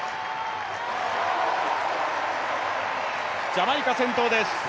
ジャマイカ先頭です。